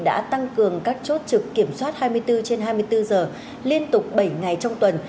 đã tăng cường các chốt trực kiểm soát hai mươi bốn trên hai mươi bốn giờ liên tục bảy ngày trong tuần